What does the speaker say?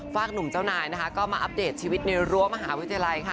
ฝากหนุ่มเจ้านายนะคะก็มาอัปเดตชีวิตในรั้วมหาวิทยาลัยค่ะ